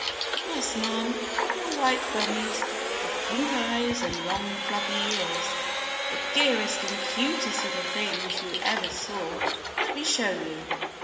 "Yes, ma'm, pure white bunnies, with pink eyes, and long, fluffy ears the dearest and cutest little things you ever saw. Let me show you."